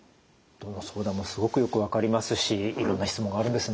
どの相談もすごくよく分かりますしいろんな質問があるんですね。